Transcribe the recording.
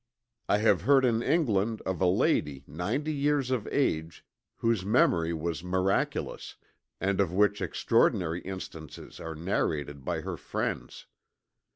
I have heard in England of a lady ninety years of age whose memory was miraculous, and of which extraordinary instances are narrated by her friends.